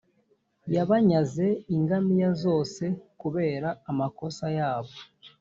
yabanyaze ingamiya zose kubera amakosa yabo.